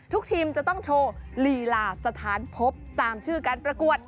ทีมจะต้องโชว์ลีลาสถานพบตามชื่อการประกวด